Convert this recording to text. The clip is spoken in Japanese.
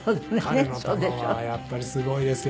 彼の球はやっぱりすごいですよ。